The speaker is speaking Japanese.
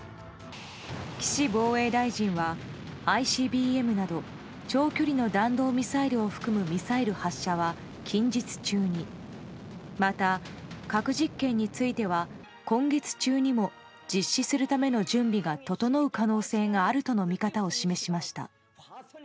岸防衛大臣は、ＩＣＢＭなど長距離の弾道ミサイルを含むミサイル発射は今月中にまた、核実験については今月中にも実施するための準備が整う可能性があるとの見方を示しました。